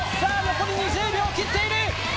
残り２０秒を切っている。